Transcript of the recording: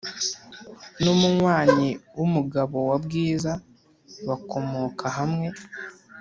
nimunywayi wumugabo wa bwiza bakomoka hamwe